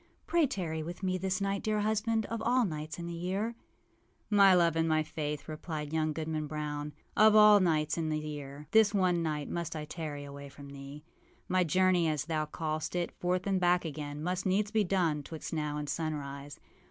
Pray tarry with me this night, dear husband, of all nights in the year.â âMy love and my Faith,â replied young Goodman Brown, âof all nights in the year, this one night must I tarry away from thee. My journey, as thou callest it, forth and back again, must needs be done âtwixt now and sunrise.